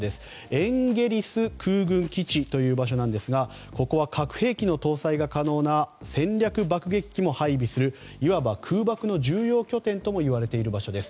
エンゲリス空軍基地という場所なんですがここは核兵器の搭載が可能な戦略爆撃機も配備するいわば空爆の重要拠点ともいわれている場所です。